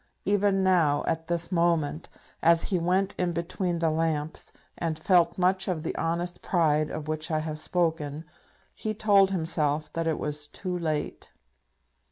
Even now, at this moment, as he went in between the lamps, and felt much of the honest pride of which I have spoken, he told himself that it was too late.